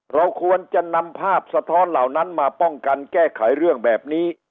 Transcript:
เราควรจะนำภาพสะท้อนเหล่านั้นมาป้องกันแก้ไขเรื่องแบบนี้